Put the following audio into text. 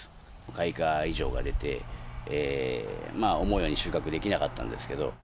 開花異常が出て、思うように収穫できなかったんですけど。